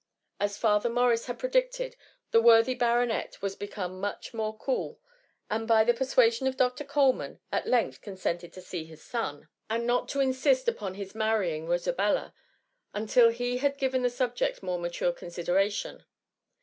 As Father Morris had predicted, the worthy baronet was become much more cool, and by the persuasions of Dr. Coleman, at length consented to see his son, and not to insist upon his marrying Rosabella, until he had given the subject more mature considera tion.